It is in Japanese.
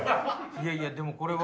いやいやでもこれは。